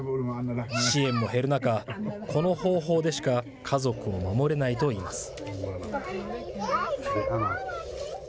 支援も減る中、この方法でしか家族を守れないといいます。